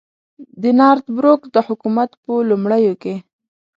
د نارت بروک د حکومت په لومړیو کې.